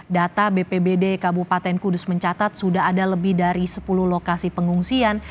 data bpbd kabupaten kudus mencatat sudah ada lebih dari sepuluh lokasi pengungsian